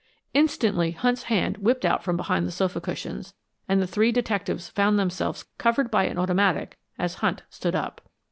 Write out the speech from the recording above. Instantly Hunt's hand whipped out from behind the sofa cushions, and the three detectives found themselves covered by an automatic as Hunt stood up.